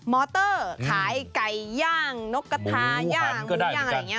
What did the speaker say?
อเตอร์ขายไก่ย่างนกกระทาย่างหมูย่างอะไรอย่างนี้